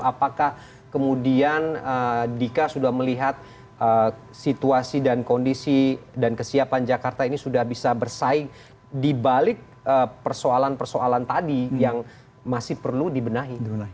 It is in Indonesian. apakah kemudian dika sudah melihat situasi dan kondisi dan kesiapan jakarta ini sudah bisa bersaing dibalik persoalan persoalan tadi yang masih perlu dibenahi